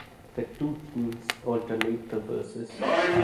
The two teams alternate the verses.